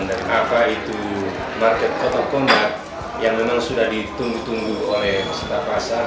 apa itu market kotak kotak yang memang sudah ditunggu tunggu oleh masyarakat pasar